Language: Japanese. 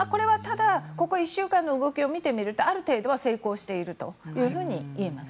ここ１週間の動きを見ているとある程度は成功しているというふうにいえます。